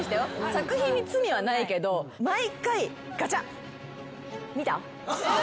作品に罪はないけど毎回ガチャ。